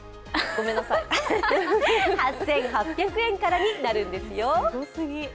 ８８００円からになるんですよ。